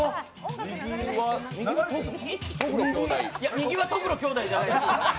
右はとぐろ兄弟じゃないです。